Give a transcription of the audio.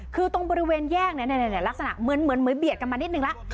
คือตรงบริเวณแยกเนี้ยเนี้ยเนี้ยเนี้ยลักษณะเหมือนเหมือนเหมือนเบียดกันมานิดนึงละ